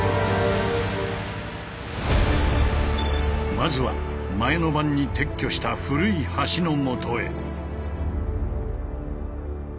まずは前の晩に撤去した古い橋のもとへ。